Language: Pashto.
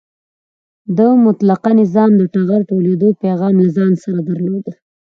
د مطلقه نظام د ټغر ټولېدو پیغام له ځان سره درلود.